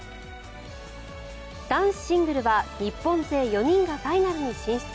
男子シングルは日本勢４人がファイナルに進出。